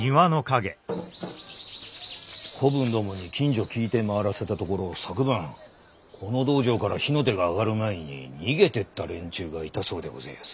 子分どもに近所を聞いて回らせたところ昨晩この道場から火の手が上がる前に逃げてった連中がいたそうでごぜえやす。